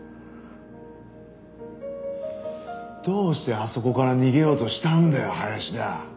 どうしてあそこから逃げようとしたんだよ林田。